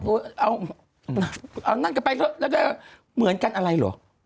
เอานั่นกันไปเหมือนกันอะไรหรอ